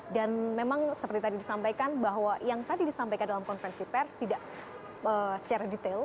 dan memang seperti tadi disampaikan bahwa yang tadi disampaikan dalam konferensi pers tidak secara detail